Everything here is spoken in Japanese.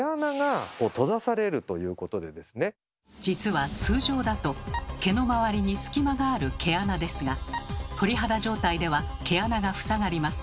実は通常だと毛の周りに隙間がある毛穴ですが鳥肌状態では毛穴が塞がります。